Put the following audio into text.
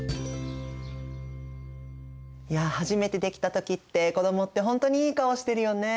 いや初めてできた時って子どもってほんとにいい顔してるよね。